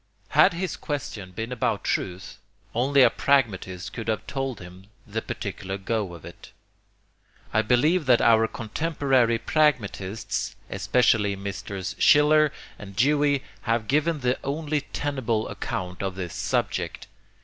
Had his question been about truth, only a pragmatist could have told him the particular go of it. I believe that our contemporary pragmatists, especially Messrs. Schiller and Dewey, have given the only tenable account of this subject.